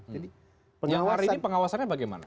yang hari ini pengawasannya bagaimana